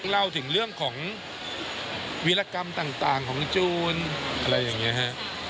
เล่าถึงเรื่องของวิรกรรมต่างของจูนอะไรอย่างนี้ฮะ